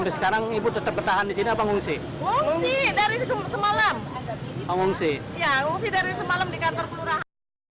berdasarkan informasi dari bpbd kota bekasi sedikitnya ada dua puluh enam titik genangan di dua belas kecamatan di jalan raya kiai haji nur ali kalimalang